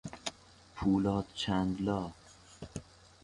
پولاد چند لا